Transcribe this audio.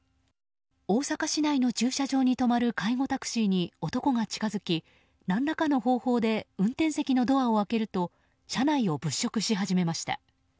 大阪市内の駐車場に止まる介護タクシーに男が近づき、何らかの方法で運転席のドアを開けると車内を物色し始めました。